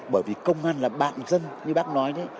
bởi vì công an là bạn dân như bác nói đấy